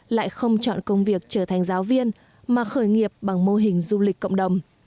lại không chọn công việc trở thành giáo viên mà khởi nghiệp bằng mô hình du lịch cộng đồng